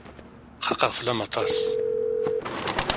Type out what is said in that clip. Xaqeɣ fell-am aṭas.